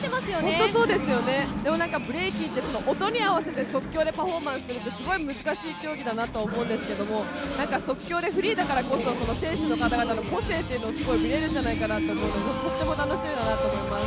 本当そうですよね、でもなんかブレイキンって音に合わせて即興でパフォーマンスするってすごい難しい競技だなと思うんですけど即興でフリーだからこそ選手の方々の個性が見れるんじゃないかなと思うので、とっても楽しみだなと思います。